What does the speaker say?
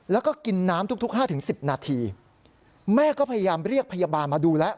แล้วก็กินน้ำทุกทุกห้าถึงสิบนาทีแม่ก็พยายามเรียกพยาบาลมาดูแล้ว